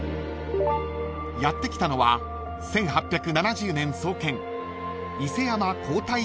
［やって来たのは１８７０年創建］